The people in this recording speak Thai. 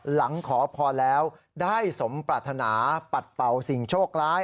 หลังขอพรแล้วได้สมปรารถนาปัดเป่าสิ่งโชคร้าย